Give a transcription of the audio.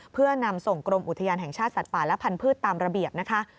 เพื่อนำส่งกรมอุทยานแห่งชาติสัตว์ป่าและพันธุ์ตามระเบียบนะคะ